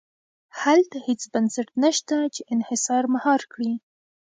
هلته هېڅ بنسټ نه شته چې انحصار مهار کړي.